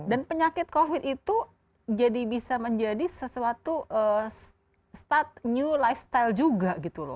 dan penyakit covid itu jadi bisa menjadi sesuatu start new lifestyle juga